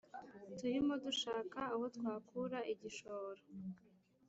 turimo dushaka aho twakura igishoro